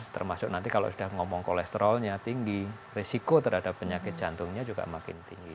termasuk nanti kalau sudah ngomong kolesterolnya tinggi risiko terhadap penyakit jantungnya juga makin tinggi